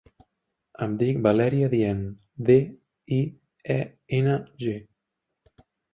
Em dic Valèria Dieng: de, i, e, ena, ge.